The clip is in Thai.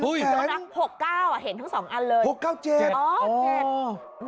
กำลัง๖๙อ่ะเห็นทั้งสองอันเลย